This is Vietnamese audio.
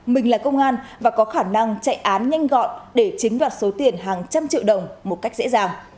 mình là công an và có khả năng chạy án nhanh gọn để chiếm đoạt số tiền hàng trăm triệu đồng một cách dễ dàng